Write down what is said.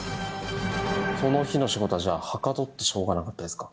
その日の仕事はじゃあ、はかどってしょうがなかったですか？